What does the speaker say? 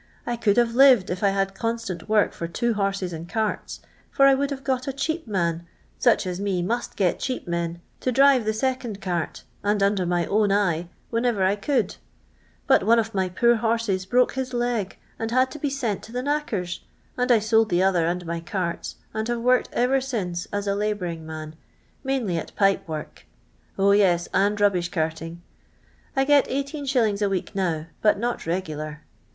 t could have lived if I had consLint work for two horses and carts, for I would have got a cheap man; such as me must get cheap men to drive the LONDON LABOUR AND THE LONDON POOR. 8sr second cart, and under my own eye, whenever I could ; but one of my poor horses broke his leg, and had to be sent to the knacker's, and I sold the other and my carts, and have worked ever since as a labouring man; mainly at pipe work. 0, yes, and rubbish carting. I get 18*. a week now, but not regular.